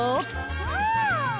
うん！